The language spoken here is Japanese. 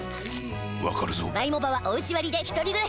わかるぞ・